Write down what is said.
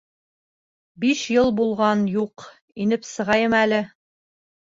Биш йыл булған юҡ, инеп сығайым әле.